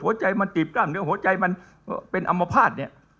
หัวใจมันตีบกล้ามเนื้อหัวใจมันเป็นอัมพาตเนี่ย